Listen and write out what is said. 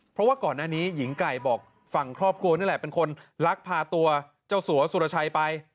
เพราะว่าก่อนหน้านี้หญิงไก่บอกฝั่งครอบครัวนี่แหละเป็นคนลักพาตัวเจ้าสัวสุรชัยไป